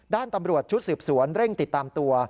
ด้านตำรวจชุดสืบสวนเร่งติดตามตัว